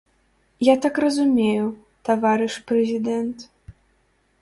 Я так разумею, таварыш прэзідэнт.